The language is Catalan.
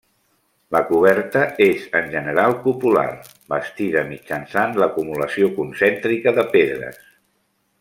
La coberta és en general cupular, bastida mitjançant l'acumulació concèntrica de pedres.